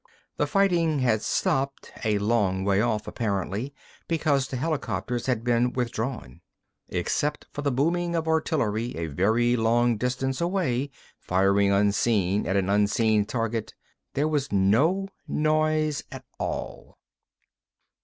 The fighting had stopped, a long way off, apparently because the helicopters had been withdrawn. Except for the booming of artillery a very long distance away, firing unseen at an unseen target, there was no noise at all.